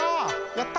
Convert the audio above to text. やった！